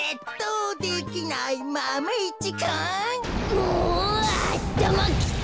もうあたまきた！